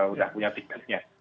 udah punya tiketnya